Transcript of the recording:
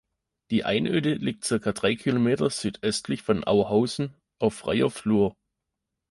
Die Einöde liegt circa drei Kilometer südöstlich von Auhausen auf freier Flur.